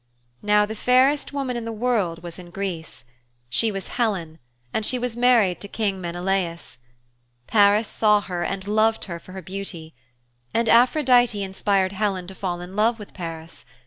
Now the fairest woman in the world was in Greece; she was Helen, and she was married to King Menelaus. Paris saw her and loved her for her beauty. And Aphrodite inspired Helen to fall in love with Paris.